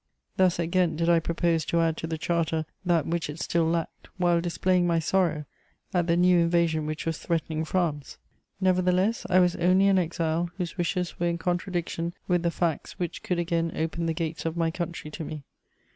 Thus, at Ghent, did I propose to add to the Charter that which it still lacked, while displaying my sorrow at the new invasion which was threatening France: nevertheless, I was only an exile whose wishes were in contradiction with the facts which could again open the gates of my country to me.